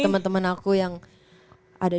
temen temen aku yang ada